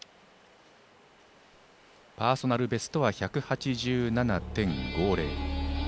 パーソナルベストは１８７．５０。